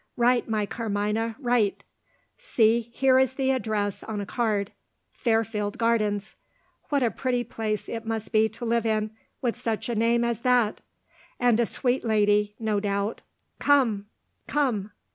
Write, my Carmina write. See, here is the address on a card: 'Fairfield Gardens.' What a pretty place it must be to live in, with such a name as that! And a sweet lady, no doubt. Come! Come!"